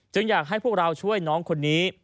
อยากให้พวกเราช่วยน้องคนนี้